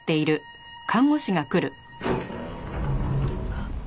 あっ。